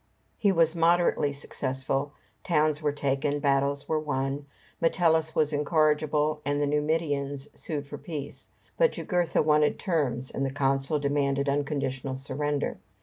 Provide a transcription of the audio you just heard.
He was moderately successful. Towns were taken, battles were won: Metellus was incorruptible, and the Numidians sued for peace. But Jugurtha wanted terms, and the consul demanded unconditional surrender.